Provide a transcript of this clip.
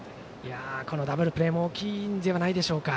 ダブルプレーも大きいのではないでしょうか。